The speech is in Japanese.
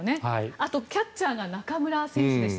あと、キャッチャーが中村選手でした。